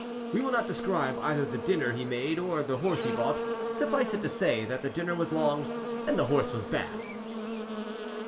We will not describe either the dinner he made or the horse he bought; suffice it to say that the dinner was long and the horse was bad.